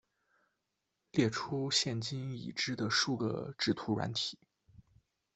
列出现今已知的数个制图软体